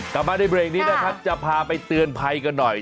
กลับมาในเบรกนี้นะครับจะพาไปเตือนภัยกันหน่อย